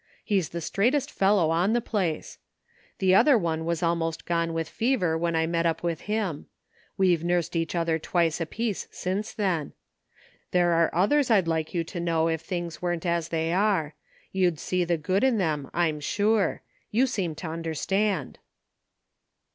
He's the straightest fellow on the place. The other one was almost gone with fever when I met up with him. We've nursed each other twice apiece since then. There are others I'd like you to know if things weren't as they are. You'd see the good in them, I'm sure. You seem to understand."